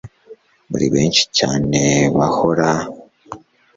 muri benshi cyane bahora